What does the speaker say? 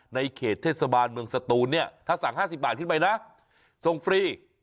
ในเขตเทศบาลเมืองสตูนเนี่ยถ้าสั่ง๕๐บาทขึ้นไปนะส่งฟรี